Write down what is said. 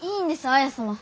綾様。